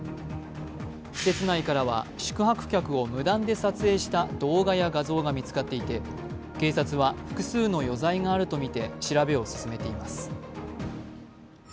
施設内からは宿泊客を無断で撮影した動画や画像が見つかっていて警察は複数の余罪があるとみて調べを進めています。